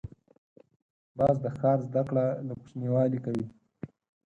باز د ښکار زده کړه له کوچنیوالي کوي